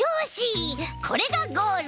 これがゴール！